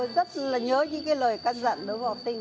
rất là nhớ những cái lời